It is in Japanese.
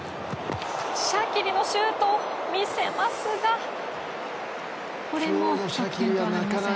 シャキリのシュート見せますがこれも得点となりません。